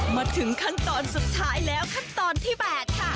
มาถึงขั้นตอนสุดท้ายแล้วขั้นตอนที่๘ค่ะ